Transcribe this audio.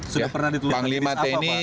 sudah pernah ditulis apa pak